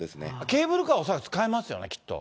ケーブルカーは恐らく使えますよね、きっと。